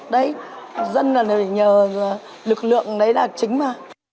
đấy dân là nhờ lực lượng đấy là chính mà